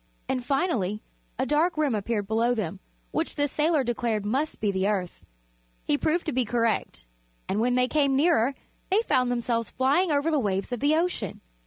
And, finally, a dark rim appeared below them, which the sailor declared must be the Earth. He proved to be correct and when they came nearer they found themselves flying over the waves of the ocean.